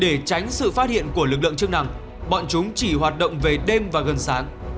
để tránh sự phát hiện của lực lượng chức năng bọn chúng chỉ hoạt động về đêm và gần sáng